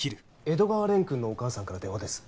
江戸川蓮くんのお母さんから電話です。